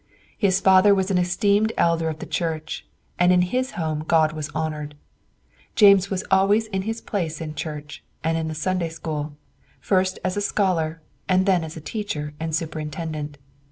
His father was an esteemed elder of the Church, and in his home God was honored. James was always in his place in church, and in the Sunday School; first as a scholar, and then as a teacher and superintendent.